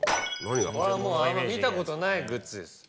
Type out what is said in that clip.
これはもうあんま見たことないグッズです。